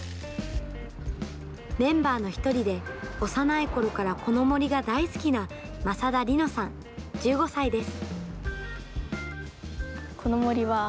メンバーの１人で、幼いころからこの森が大好きな、政田莉乃さん１５歳です。